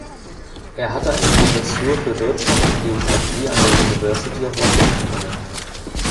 Er hatte eine Professur für Wirtschaft und Geographie an der University of Washington inne.